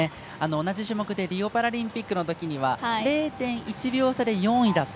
同じ種目でリオパラリンピックのときには０．１秒差で４位だった。